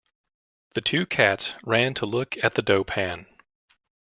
The two cats ran to look at the dough pan.